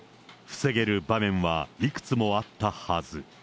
防げる場面はいくつもあったはず。